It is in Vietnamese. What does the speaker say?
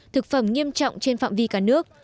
thực phẩm nghiêm trọng trên phạm vi cả nước